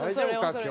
今日。